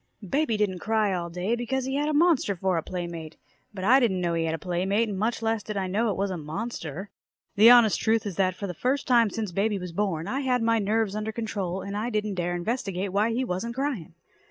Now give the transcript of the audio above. _ Baby didn't cry all day, because he had a monster for a playmate. But I didn't know he had a playmate, and much less did I know it was a monster. The honest truth is that for the first time since baby was born, I had my nerves under control, and I didn't dare investigate why he wasn't crying.